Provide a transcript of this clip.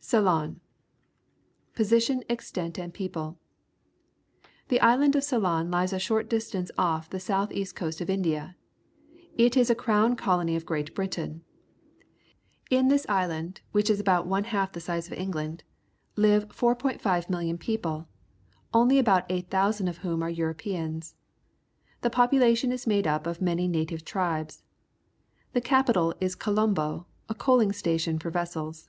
CEYLON Position, Extent, and People. — The island of Ceylon Ues a short distance off the south east coast of India. It is a crown colony of Great Britain. In this island, which is about one half the size of England, live 4,500,000 people, only about 8,000 of whom are Europeans. The population is made up of many native tribes. The capital is Colom bo^ a coaling station for vessels.